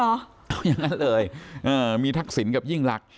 เอาอย่างนั้นเลยมีทักษิณกับยิ่งรัก